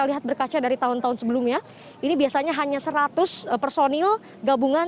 kita berkaca dari tahun tahun sebelumnya ini biasanya hanya seratus personil gabungan